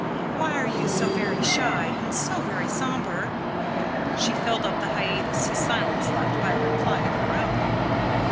Why are you so very shy, and so very sombre?" She filled up the hiatus his silence left by a reply of her own.